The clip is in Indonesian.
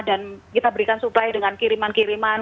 dan kita berikan supply dengan kiriman kiriman